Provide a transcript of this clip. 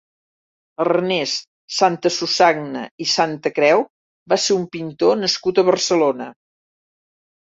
Ernest Santasusagna i Santacreu va ser un pintor nascut a Barcelona.